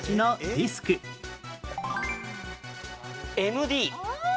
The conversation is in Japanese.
ＭＤ。